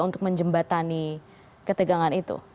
untuk menjembatani ketegangan itu